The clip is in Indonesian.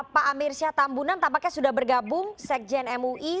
pak amirsyah tambunan tampaknya sudah bergabung sekjen mui